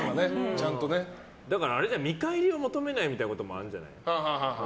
だから見返りを求めないみたいなこともあるんじゃない。